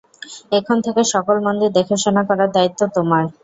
এখন থেকে সকল মন্দির দেখাশোনা করার দায়িত্ব তোমার।